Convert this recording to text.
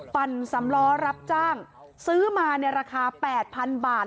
ปั่นสำล้อรับจ้างซื้อมาในราคา๘๐๐๐บาท